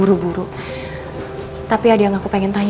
terima kasih aku senang dengannya